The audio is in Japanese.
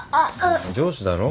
上司だろ？